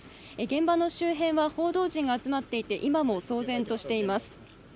現場の周辺は報道陣が集まっていて今も騒然としています。